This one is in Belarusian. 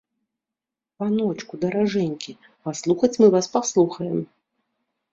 Паночку, даражэнькі, паслухаць мы вас паслухаем.